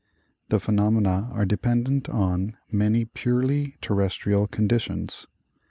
The phenomena are dependent on many purely terres trial conditions.